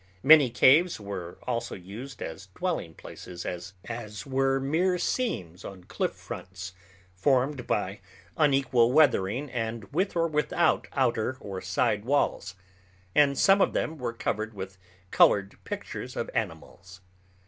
Many caves were also used as dwelling places, as were mere seams on cliff fronts formed by unequal weathering and with or without outer or side walls; and some of them were covered with colored pictures of animals.